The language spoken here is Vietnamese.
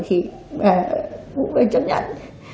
thì bà cũng phải chăm nhận